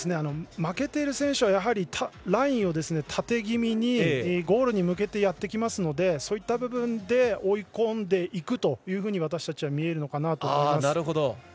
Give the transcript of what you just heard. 負けている選手はやはり、ラインをたて気味にゴールに向けてやってきますのでそういった部分で追い込んでいくというふうに私たちは見えるのかなと思います。